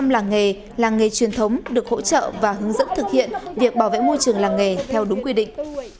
một trăm linh làng nghề làng nghề truyền thống được hỗ trợ và hướng dẫn thực hiện việc bảo vệ môi trường làng nghề theo đúng quy định